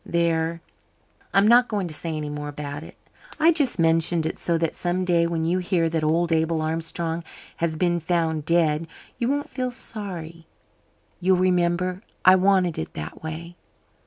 There, I'm not going to say any more about it. I just mentioned it so that some day when you hear that old Abel Armstrong has been found dead, you won't feel sorry. You'll remember I wanted it that way.